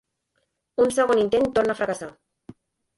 Un segon intent torna a fracassar.